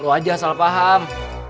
lo aja salah paham